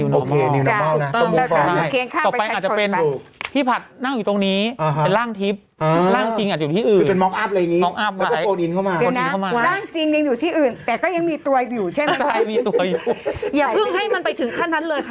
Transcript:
อย่าเพิ่งให้มันไปถึงขั้นนั้นเลยค่ะ